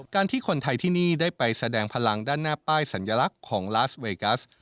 การที่คนไทยที่นี่ได้ไปแสดงพลังด้านหน้าป้ายสัญลักษณ์ของลาสเวกัส